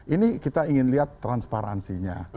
ini kita ingin lihat transparansinya